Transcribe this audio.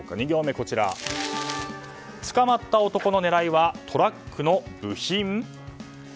２行目、捕まった男の狙いはトラックの部品？